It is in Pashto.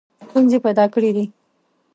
ستونزې پیدا کړي دي.